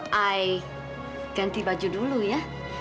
ganti baju dulu ya